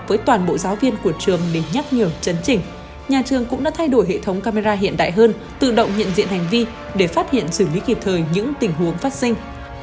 với toàn bộ giáo viên của trường để nhắc nhở chấn chỉnh nhà trường cũng đã thay đổi hệ thống camera hiện đại hơn tự động nhận diện hành vi để phát hiện xử lý kịp thời những tình huống phát sinh